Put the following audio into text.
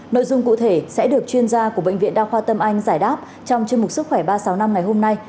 nội dung cụ thể sẽ được chuyên gia của bệnh viện đa khoa tâm anh giải đáp trong chương mục sức khỏe ba trăm sáu mươi năm ngày hôm nay